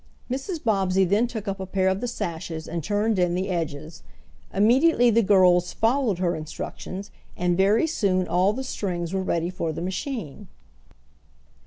Mrs. Bobbsey then took up a pair of the sashes and turned in the edges. Immediately the girls followed her instructions, and very soon all of the strings were ready for the machine.